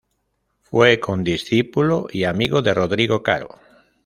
Fue condiscípulo y amigo de Rodrigo Caro.